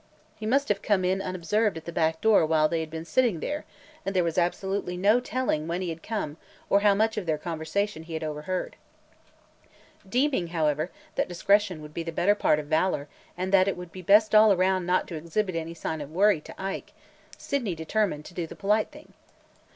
He must have come in unobserved at the back door while they had been sitting there, and there was absolutely no telling when he had come or how much of their conversation he had overheard. Deeming, however, that discretion would be the better part of valor and that it would be best all around not to exhibit any signs of worry to Ike, Sydney determined to do the polite thing.